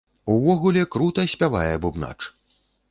Увогуле крута спявае бубнач!